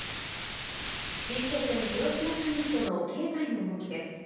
Ｇ７広島サミットの経済の動きです。